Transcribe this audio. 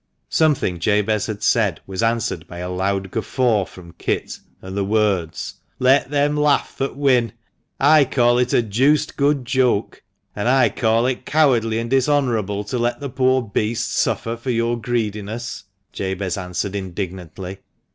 Something Jabez had said was answered by a loud guffaw from Kit, and the words —" Let them laugh that win. I call it a deuced good joke." "And I call it cowardly and dishonourable to let the poor beast suffer for your greediness," Jabez answered, indignantly.